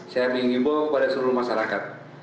saya mengimbau kepada seluruh masyarakat